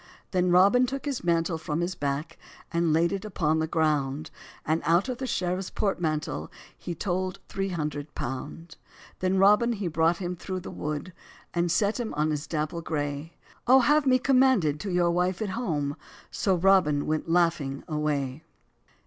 Then Robin took his mantle from his back, And laid it upon the ground: And out of the sheriffs portmantle He told three hundred pound. Then Robin he brought him thorow the wood, And set him on his dapple gray; "O have me commanded to your wife at home;" So Robin went laughing away.